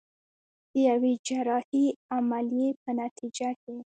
د يوې جراحي عمليې په نتيجه کې.